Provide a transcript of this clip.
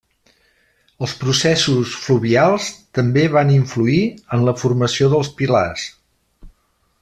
Els processos fluvials també van influir en la formació dels pilars.